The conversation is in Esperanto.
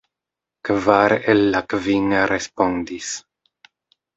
Kvar el la kvin respondis.